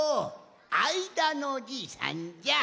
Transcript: あいだのじいさんじゃ。